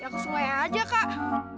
ya ke sungai aja kak